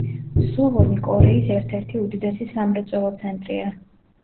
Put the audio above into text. სუვონი კორეის ერთ-ერთი უდიდესი სამრეწველო ცენტრია.